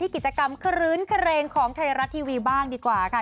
กิจกรรมคลื้นเครงของไทยรัฐทีวีบ้างดีกว่าค่ะ